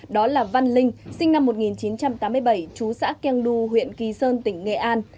đó là văn linh sinh năm một nghìn chín trăm tám mươi bảy chú xã keng du huyện kỳ sơn tỉnh nghệ an